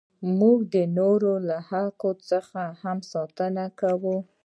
موږ د نورو له حق څخه هم ساتنه کوو.